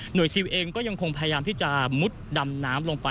ชิลเองก็ยังคงพยายามที่จะมุดดำน้ำลงไป